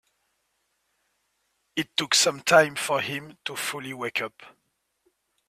It took some time for him to fully wake up.